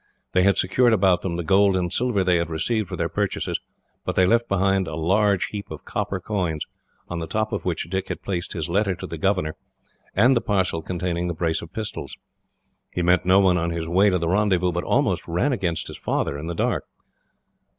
They had secured about them the gold and silver they had received for their purchases, but they left behind a large heap of copper coins, on the top of which Dick had placed his letter to the governor, and the parcel containing the brace of pistols. He met no one on his way to the rendezvous, but almost ran against his father in the dark.